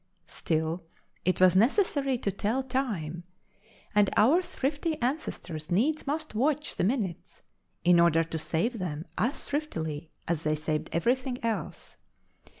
Still, it was necessary to tell time, and our thrifty ancestors needs must watch the minutes in order to save them as thriftily as they saved everything else.